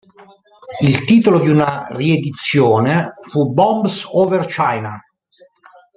Il titolo di una riedizione fu "Bombs Over China".